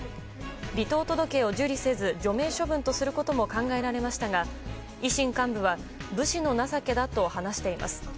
離党届を受理せず、除名処分とすることも考えられましたが維新幹部は武士の情けだと話しています。